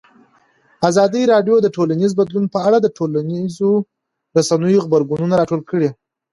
ازادي راډیو د ټولنیز بدلون په اړه د ټولنیزو رسنیو غبرګونونه راټول کړي.